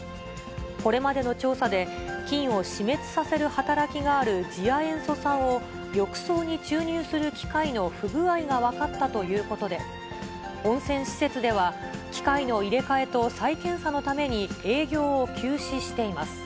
これまでの調査で、菌を死滅させる働きがある次亜塩素酸を、浴槽に注入する機械の不具合が分かったということで、温泉施設では、機械の入れ替えと再検査のために営業を休止しています。